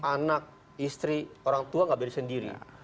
anak istri orang tua gak berdiri sendiri